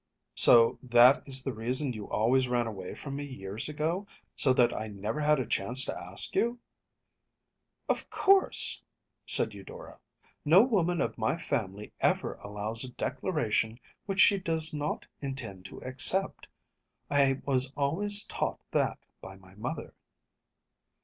‚ÄĚ “So that is the reason you always ran away from me, years ago, so that I never had a chance to ask you?‚ÄĚ “Of course,‚ÄĚ said Eudora. “No woman of my family ever allows a declaration which she does not intend to accept. I was always taught that by my mother.